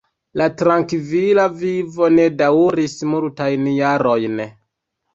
La trankvila vivo ne daŭris multajn jarojn.